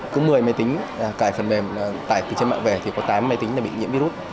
cứ một mươi máy tính cài phần mềm tải từ trên mạng về thì có tám máy tính là bị nhiễm virus